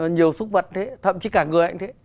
nhiều súc vật thế thậm chí cả người ấy cũng thế